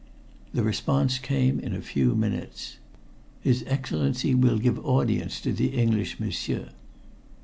The response came in a few minutes. "His Excellency will give audience to the English m'sieur."